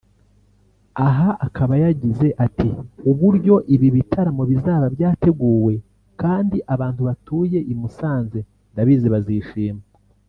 Aha akaba yagize ati”Uburyo ibi bitaramo bizaba bwarateguwe kandi abantu batuye i Musanze ndabizi bazishima